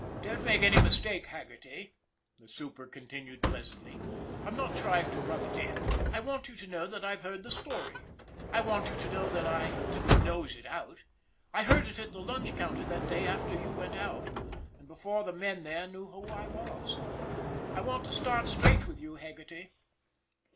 "Don't make any mistake, Haggerty," the super continued pleasantly. " I'm not trying to rub it in. I want you to know that I've heard the story. I want you to know that I didn't nose it out. I heard it at the lunch counter that day after you went out, and before the men there knew who I was. I want to start straight with you, Haggerty."